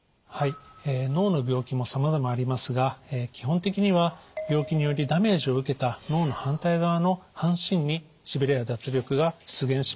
脳の病気もさまざまありますが基本的には病気によりダメージを受けた脳の反対側の半身にしびれや脱力が出現します。